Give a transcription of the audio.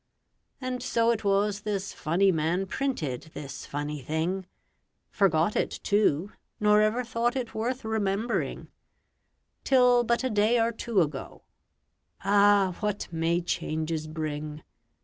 And so it was this funny man Printed this funny thing Forgot it, too, nor ever thought It worth remembering, Till but a day or two ago. (Ah! what may changes bring!)